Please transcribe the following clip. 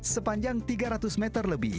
sepanjang tiga ratus meter lebih